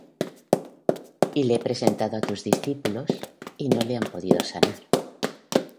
Y le he presentado á tus discípulos, y no le han podido sanar.